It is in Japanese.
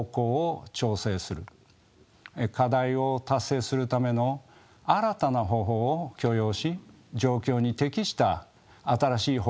課題を達成するための新たな方法を許容し状況に適した新しい方法を創造する点です。